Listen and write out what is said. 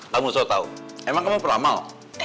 kamu sok tau emang kamu peramal